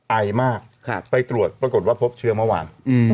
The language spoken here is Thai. ไอมากไปตรวจปรากฏว่าพบเชื้อเมื่อวาน